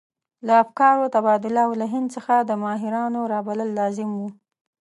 د افکارو تبادله او له هند څخه د ماهرانو رابلل لازم وو.